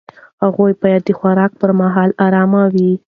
هغوی باید د خوراک پر مهال ارام وي.